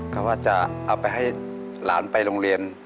เขาว่าจะเอาไปให้หลานไปโรงเรียน